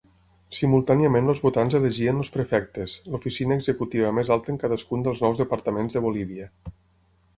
Simultàniament els votants elegien els prefectes, l'oficina executiva més alta en cadascun dels nou departaments de Bolívia.